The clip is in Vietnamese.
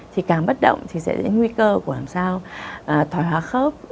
thì càng bất động thì sẽ đến nguy cơ của làm sao thoái hóa khớp